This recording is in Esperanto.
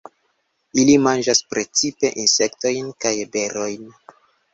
Ili manĝas precipe insektojn kaj berojn.